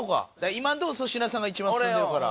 今のところ粗品さんが一番進んでるから。